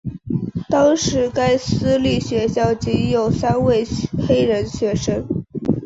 当时该私立学校仅有三位黑人学生。